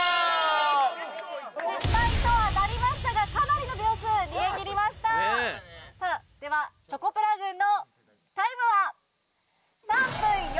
失敗とはなりましたがかなりの秒数逃げ切りましたではチョコプラ軍のタイムは？